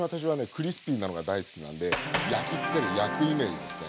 クリスピーなのが大好きなんで焼きつける焼くイメージですね。